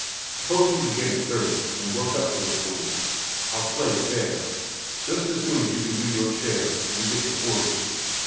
Suppose you begin at thirty, an' work up to the forty. I'll play fair. Just as soon as you can do your share you get the forty."